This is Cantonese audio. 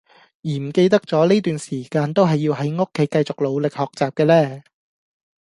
而唔記得咗呢段時間都係要喺屋企繼續努力學習嘅呢